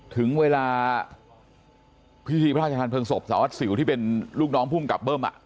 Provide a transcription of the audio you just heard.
ถึงเวลาพิธีพระอาจารย์เพิ่งศพสหรัฐศิลป์ที่เป็นลูกน้องภูมิกับเบิ้มอ่ะ